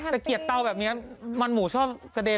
แต่เกลียดเตาแบบนี้มันหมูชอบกระเด็น